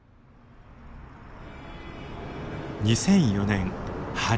２００４年春。